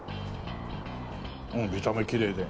見た目きれいで。